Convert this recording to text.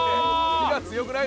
火が強くない？